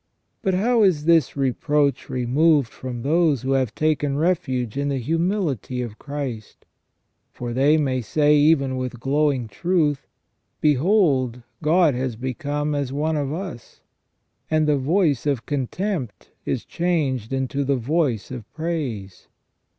But how is this reproach removed from those who have taken refuge in the humility of Christ ? For they may say even with glowing truth : Behold, God has become as one of us; and the voice of contempt is changed into the voice of praise.